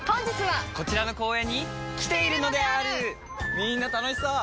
みんな楽しそう！